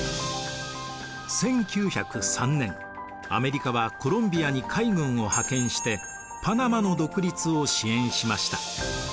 １９０３年アメリカはコロンビアに海軍を派遣してパナマの独立を支援しました。